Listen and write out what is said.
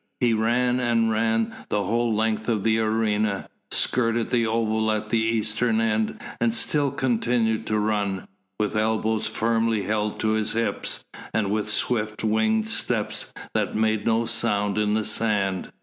He ran and ran the whole length of the arena, skirted the oval at the eastern end, and still continued to run, with elbows firmly held to his hips and with swift winged steps that made no sound in the sand.